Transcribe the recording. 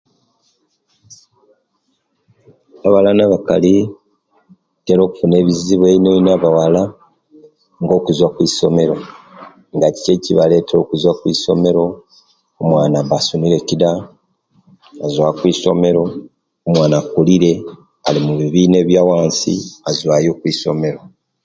Abawala nabakali batera okufuna ebizibu eineino nga abawala batera okuzuwa okwisomero nga ki ekibaletera okuzuwa okwisomero omuwana aba asunire kida nzuwa kuisomero, omwana akulire alimubibina biyawansi omuwana azuwayo okuisomero